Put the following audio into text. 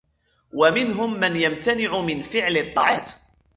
وَمِنْهُمْ مَنْ يَمْتَنِعُ مِنْ فِعْلِ الطَّاعَاتِ